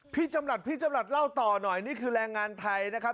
พี่จำรัฐพี่จำรัฐเล่าต่อหน่อยนี่คือแรงงานไทยนะครับ